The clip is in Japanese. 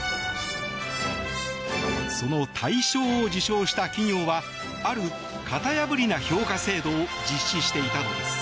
その大賞を受賞した企業はある型破りな評価制度を実施していたのです。